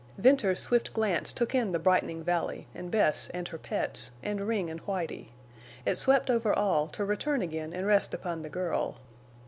Venters's swift glance took in the brightening valley, and Bess and her pets, and Ring and Whitie. It swept over all to return again and rest upon the girl.